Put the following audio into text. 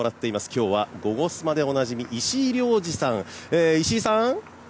今日は「ゴゴスマ」でおなじみ石井亮次さん。